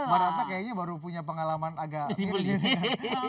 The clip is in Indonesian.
barangkali kayaknya baru punya pengalaman agak pilih